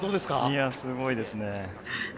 いやすごいですね。